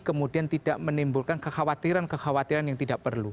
kemudian tidak menimbulkan kekhawatiran kekhawatiran yang tidak perlu